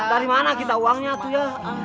dari mana kita uangnya tuh ya